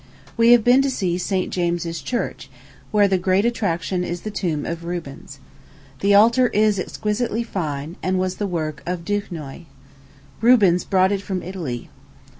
We have been to see St. James's Church, where the great attraction is the tomb of Rubens. The altar is exquisitely fine, and was the work of Duquesnoy. Rubens brought it from Italy.